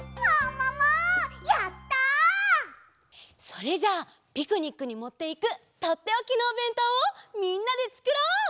それじゃあピクニックにもっていくとっておきのおべんとうをみんなでつくろう！